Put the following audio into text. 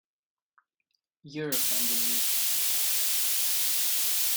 You're a friend in need.